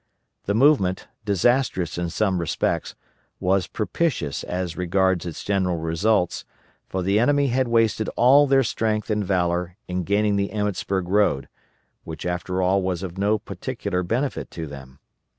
The movement, disastrous in some respects, was propitious as regards its general results, for the enemy had wasted all their strength and valor in gaining the Emmetsburg road, which after all was of no particular benefit to them.